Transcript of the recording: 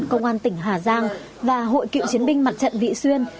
công an tỉnh hà giang và hội cựu chiến binh mặt trận vị xuyên